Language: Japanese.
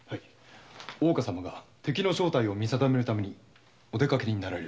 大岡様が敵の正体を見定めるためにお出かけに。